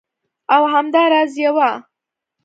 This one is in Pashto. او همدا راز یوه